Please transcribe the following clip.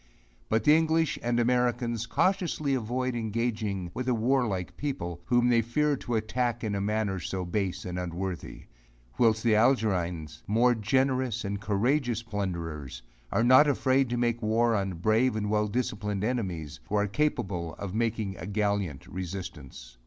But the English and Americans cautiously avoid engaging with a warlike people, whom they fear to attack in a manner so base and unworthy; whilst the Algerines, more generous and courageous plunderers, are not afraid to make war on brave and well disciplined enemies, who are capable of making a gallant resistance.